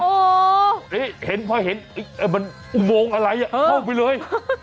โอ้นี่เห็นเพราะเห็นมันวงอะไรอ่ะเข้าไปเลย